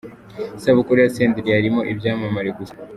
Isabukuru ya Senderi yarimo ibyamamare gusa.